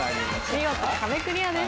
見事壁クリアです。